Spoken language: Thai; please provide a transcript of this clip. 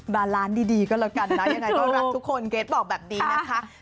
บาลานซ์ดีก็แล้วกันนะยังไงก็รักทุกคนเกรทบอกแบบนี้นะคะ